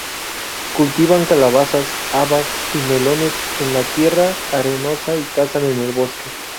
Cultivan calabazas, habas y melones en la tierra arenosa y cazan en el bosque.